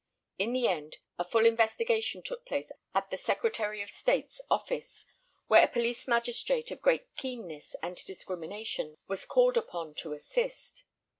In the end, a full investigation took place at the Secretary of State's office, where a police magistrate of great keenness and discrimination was called upon to assist.